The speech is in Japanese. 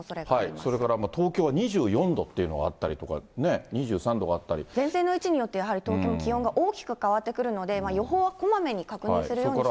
それから東京は２４度というのがあったりとかね、前線の位置によって、やはり東京、気温が大きく変わってくるので、予報はこまめに確認するようにしてください。